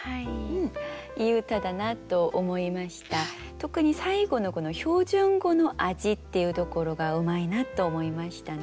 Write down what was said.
特に最後の「標準語の味」っていうところがうまいなと思いましたね。